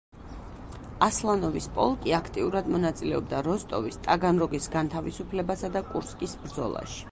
ასლანოვის პოლკი აქტიურად მონაწილეობდა როსტოვის, ტაგანროგის განთავისუფლებასა და კურსკის ბრძოლაში.